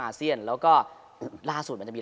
อาเซียนแล้วก็ล่าสุดมันจะมี